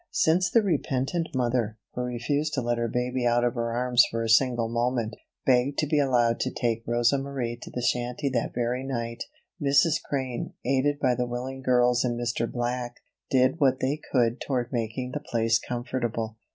Since the repentant mother, who refused to let her baby out of her arms for a single moment, begged to be allowed to take Rosa Marie to the shanty that very night, Mrs. Crane, aided by the willing girls and Mr. Black, did what they could toward making the place comfortable.